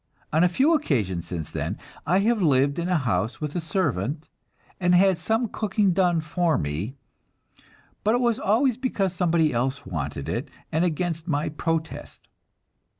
On a few occasions since then, I have lived in a house with a servant, and had some cooking done for me, but it was always because somebody else wanted it, and against my protest.